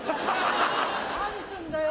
・・何すんだよ！